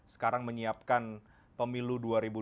sekarang menyiapkan pemilu dua ribu dua puluh